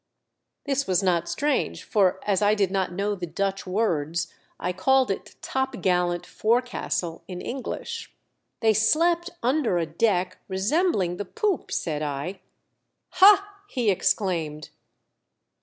This was not strange, for as I did not know the Dutch words, I called it topgallant fore castle in Eno lish. "They slept under a deck resembling the poop," said I. " Ha!" he exclaimed.